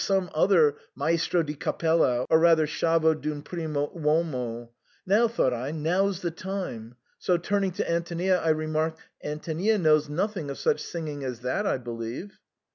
15 other Maestro di capelta^ or rather schiavo dun primo uomo" ' Now, thought I, now's the time ; so turning' to Antonia, I remarked, "Antonia knows nothing of such singing as that, I believe